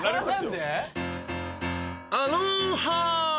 ［アロハ！］